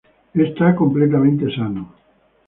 Está completamente sano.